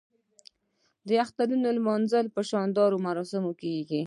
د اخترونو لمانځل په شاندارو مراسمو کیږي.